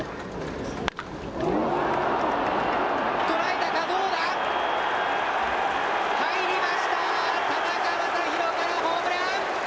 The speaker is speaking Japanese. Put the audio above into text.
捉えたか、どうだ入りました田中将大からホームラン。